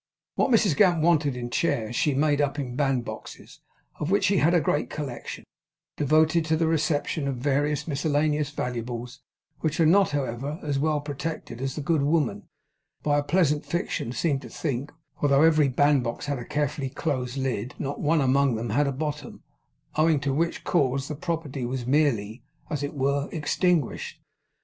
What Mrs Gamp wanted in chairs she made up in bandboxes; of which she had a great collection, devoted to the reception of various miscellaneous valuables, which were not, however, as well protected as the good woman, by a pleasant fiction, seemed to think; for, though every bandbox had a carefully closed lid, not one among them had a bottom; owing to which cause the property within was merely, as it were, extinguished.